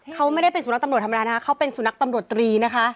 เขาไม่ได้เป็นสุนัขตำรวจธรรมดานะคะเขาเป็นสุนัขตำรวจตรีนะคะ